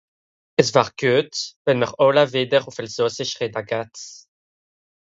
es war guet wennm'r àlle wìder ùff elsàssisch rette g'hatt